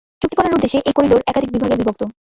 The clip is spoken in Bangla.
চুক্তি করার উদ্দেশ্যে এই করিডোর একাধিক বিভাগে বিভক্ত।